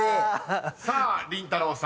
［さありんたろー。